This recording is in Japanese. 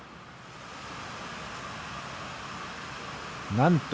なんと！